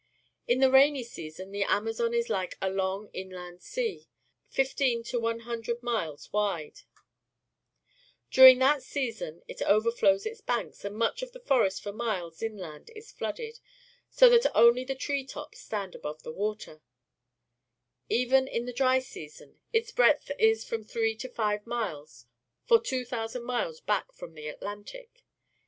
In the rainy season the Amazon is like a long inland sea, fifteen to one hundred miles wide. During that season it overflows its banks, and much of the forest for miles in land is flooded, so that only the tree tops m ■jf RELIEF MAP OF SOUTH AMERICA 152 PUBLIC SCHOOL GEOGRAPHY stand above the water. Even in the dry season, its breadth is from three to five miles for 2,000 miles back from the Atlantic.